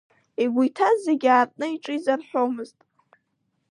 Игәы иҭаз зегьы аартны иҿы изарҳәомызт.